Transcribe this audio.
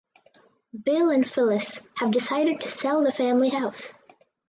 Bill and Phylis have decided to sell the family house.